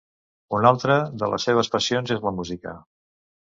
Una altra de les seves passions és la música.